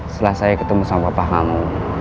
setelah saya ketemu sama bapak kamu